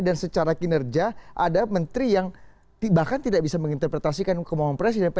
dan secara kinerja ada menteri yang bahkan tidak bisa menginterpretasikan kemampuan presiden